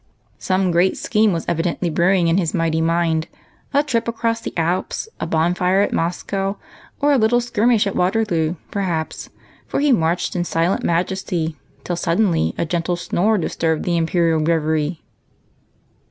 Some great scheme was evidently brewing in his mighty mind, — a trip across the Alps, a bonfire at Moscow, or a little skirmish at Waterloo, perhaps, for he marched in silent majesty till suddenly a gentle snore disturbed the imperial reverie.